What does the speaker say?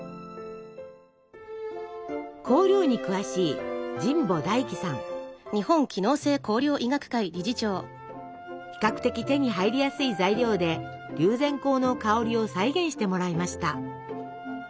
香料に詳しい比較的手に入りやすい材料で龍涎香の香りを再現してもらいました。